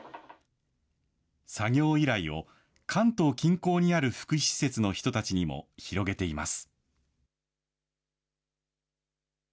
作業依頼を関東近郊にある福祉施設の人たちにも広げています。